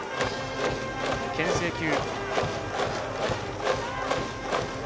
けん制球。